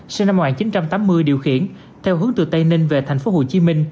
sinh năm một nghìn chín trăm tám mươi điều khiển theo hướng từ tây ninh về tp hcm